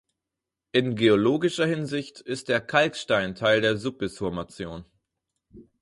In geologischer Hinsicht ist der Kalkstein Teil der Subis-Formation.